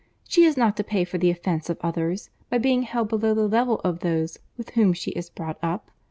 She is not to pay for the offence of others, by being held below the level of those with whom she is brought up.